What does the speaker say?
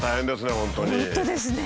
本当ですね。